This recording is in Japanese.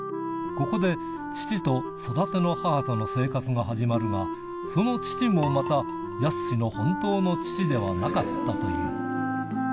ここで、父と育ての母との生活が始まるが、その父もまた、やすしの本当の父ではなかったという。